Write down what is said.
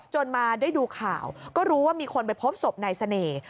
มาได้ดูข่าวก็รู้ว่ามีคนไปพบศพนายเสน่ห์